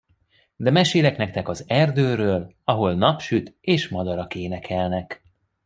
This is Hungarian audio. De mesélek nektek az erdőről, ahol nap süt, és madarak énekelnek.